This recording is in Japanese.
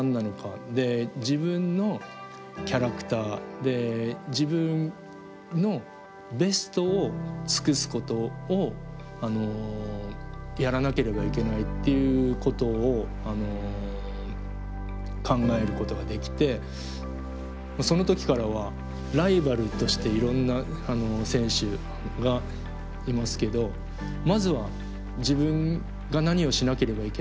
で自分のキャラクターで自分のベストを尽くすことをやらなければいけないっていうことを考えることができてその時からはライバルとしていろんな選手がいますけどまずは自分が何をしなければいけないんだ